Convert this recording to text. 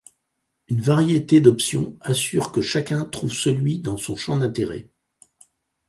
Une variété d’options assure que chacun trouve celui dans son champ d’intérêt.